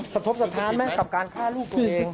กระทบสถานไหมกับการฆ่าลูกตัวเอง